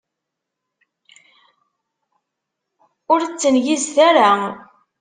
Ur ttengizet ara!